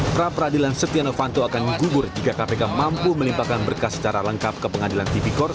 perapradilan setia novanto akan gugur jika kpk mampu melimpahkan berkas secara lengkap ke pengadilan tvkor